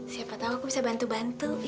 siapa tau aku bisa bantu bantu iya